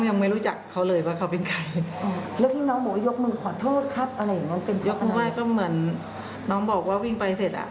ยกมือไหว้ก็เหมือนน้องบอกว่าวิ่งไปเสร็จ